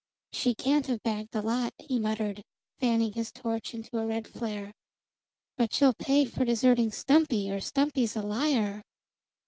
"She can't have bagged the lot," he muttered, fanning his torch into a red flare. "But she'll pay for deserting Stumpy, or Stumpy's a liar!"